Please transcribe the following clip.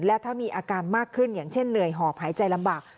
และถ้ามีอาการมากขึ้นอย่างเช่นเหนื่อยหอบหายใจลำบาก